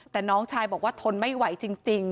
แต่น้องชายบอกว่าทนไม่ไหวจริง